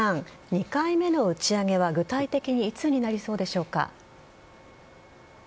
２回目の打ち上げは具体的にいつになりそうでしょうか？